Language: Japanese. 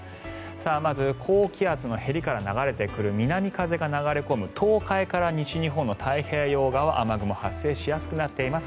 まず、高気圧のへりから流れてくる、南風が流れ込む東海から西日本の太平洋側は雨雲が発生しやすくなっています。